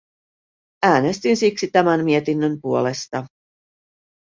Äänestin siksi tämän mietinnön puolesta.